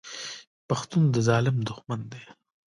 پښتون د ظالم دښمن دی.